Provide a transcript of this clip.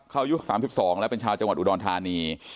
เขาอายุ๓๒แล้วเป็นชาวจังหวัดอุดรธานี